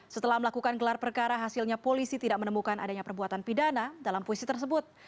setelah melakukan gelar perkara hasilnya polisi tidak menemukan adanya perbuatan pidana dalam puisi tersebut